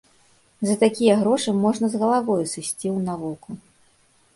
За такія грошы можна з галавою сысці у навуку.